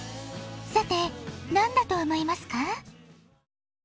さて何だと思いますか？